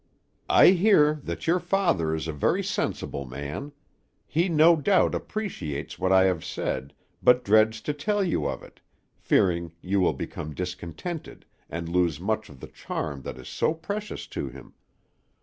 I hear that your father is a very sensible man; he no doubt appreciates what I have said, but dreads to tell you of it, fearing you will become discontented, and lose much of the charm that is so precious to him.